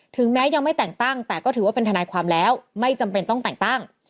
แม้ยังไม่แต่งตั้งแต่ก็ถือว่าเป็นทนายความแล้วไม่จำเป็นต้องแต่งตั้ง